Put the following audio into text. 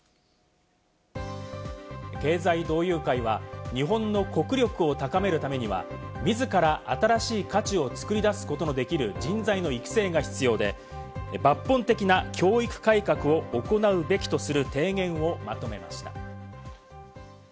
経済同友会は日本の国力を高めるためには、自ら新しい価値をつくり出すことのできる人材の育成が必要で、抜本的な教育改革を行うべきとする提言をまとめました。